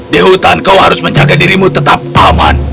di hutan kau harus menjaga dirimu tetap aman